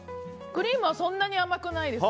クリームはそんなに甘くないです。